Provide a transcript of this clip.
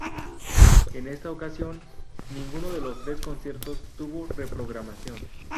En esta ocasión, ninguno de los tres conciertos tuvo reprogramación.